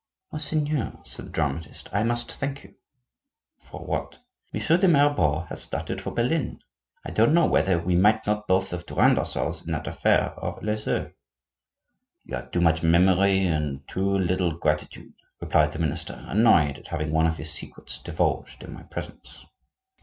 "Monseigneur," said the dramatist, "I must thank you—" "For what?" "Monsieur de Mirabeau has started for Berlin. I don't know whether we might not both have drowned ourselves in that affair of 'les Eaux.'" "You have too much memory, and too little gratitude," replied the minister, annoyed at having one of his secrets divulged in my presence.